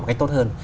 một cách tốt hơn